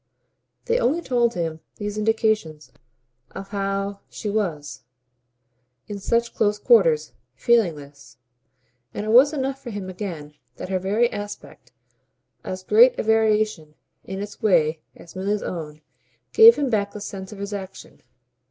They only told him, these indications, how much she was, in such close quarters, feeling his; and it was enough for him again that her very aspect, as great a variation in its way as Milly's own, gave him back the sense of his action.